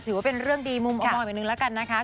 ถือว่าเป็นเรื่องดีมุมออมแบบนึงแล้วกันนะคะ